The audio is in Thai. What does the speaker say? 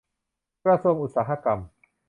กระทรวงอุตสาหกรรม